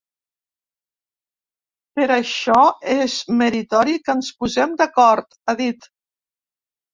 Per això és meritori que ens posem d’acord, ha dit.